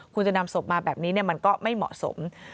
คุณจะนำศพมาแบบนี้มันก็ไม่เหมาะสม